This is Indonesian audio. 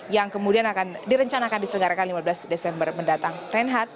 yang kemudian akan direncanakan diselenggarakan lima belas desember mendatang reinhardt